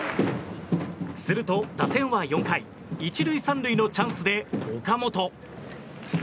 すると打線は４回１塁３塁のチャンスで、岡本。